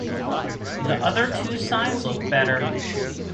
The other two signs look better.